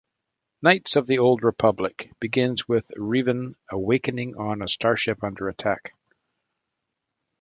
"Knights of the Old Republic" begins with Revan awaking on a starship under attack.